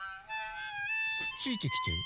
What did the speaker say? ついてきてる？